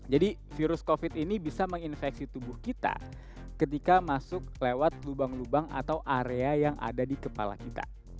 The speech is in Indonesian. jadi virus covid ini bisa menginfeksi tubuh kita ketika masuk lewat lubang lubang atau area yang ada di kepala kita